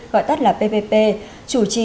gọi tắt là ppp chủ trì